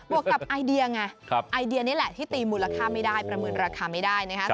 วกกับไอเดียไงไอเดียนี่แหละที่ตีมูลค่าไม่ได้ประเมินราคาไม่ได้นะครับ